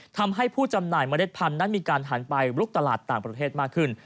ทำให้ผู้จำหน่ายเมล็ดพันธุ์นั้นมีการหันไปลุกตลาดต่างประเทศมากขึ้น